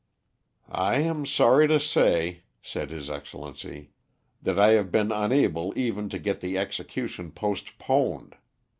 "I am sorry to say," said his Excellency, "that I have been unable even to get the execution postponed.